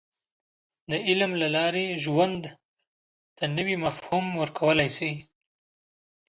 • د علم له لارې، ژوند ته نوی مفهوم ورکولی شې.